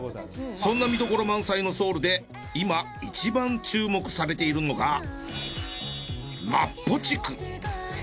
そんな見どころ満載のソウルで今一番注目されているのが。